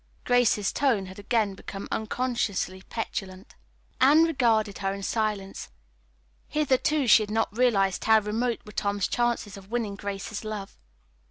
Grace's tone had again become unconsciously petulant. Anne regarded her in silence. Hitherto she had not realized how remote were Tom's chances of winning Grace's love.